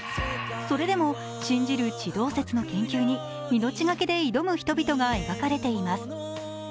それでも信じる地動説の研究に命懸けで挑む人々が描かれています。